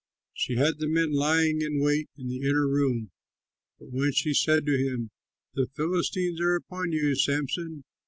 She had the men lying in wait in the inner room, but when she said to him, "The Philistines are upon you, Samson!"